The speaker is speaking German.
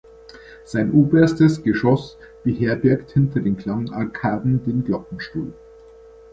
Sein oberstes Geschoss beherbergt hinter den Klangarkaden den Glockenstuhl.